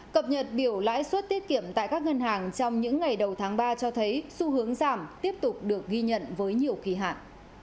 cập nhật biểu lãi suất tiết kiệm tại các ngân hàng trong những ngày đầu tháng ba cho thấy xu hướng giảm tiếp tục được ghi nhận với nhiều kỳ hạn